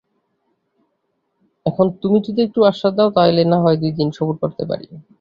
এখন, তুমি যদি একটু আশ্বাস দাও তা হলে নাহয় দু-দিন সবুর করতেও পারি।